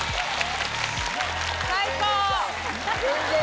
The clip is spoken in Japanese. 最高！